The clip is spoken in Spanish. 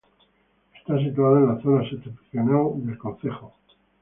Está situada en la zona septentrional del concejo.